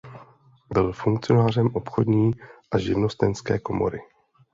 Byl funkcionářem obchodní a živnostenské komory.